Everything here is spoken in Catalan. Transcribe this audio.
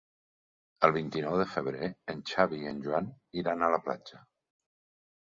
El vint-i-nou de febrer en Xavi i en Joan iran a la platja.